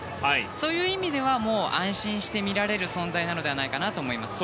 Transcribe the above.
そういう意味ではもう安心して見られる存在なのではないかなと思います。